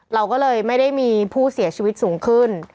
เราก็เลยไม่ได้มีผู้เสียชีวิตสูงขึ้น